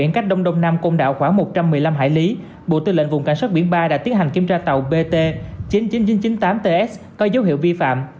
cảnh sát biển ba đã tiến hành kiểm tra tàu bt chín mươi chín nghìn chín trăm chín mươi tám ts có dấu hiệu vi phạm